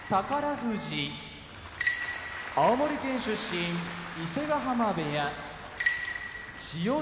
富士青森県出身伊勢ヶ濱部屋千代翔